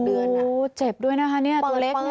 อู้วเจ็บด้วยนะคะตัวเล็กนี้